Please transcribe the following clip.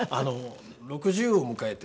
６０を迎えて。